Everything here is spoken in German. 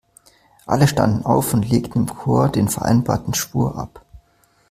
Alle standen auf und legten im Chor den vereinbarten Schwur ab.